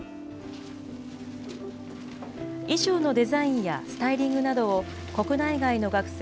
衣装のデザインやスタイリングなどを、国内外の学生